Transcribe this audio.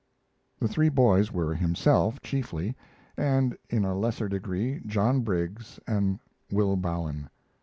The three boys were himself, chiefly, and in a lesser degree John Briggs and Will Bowen.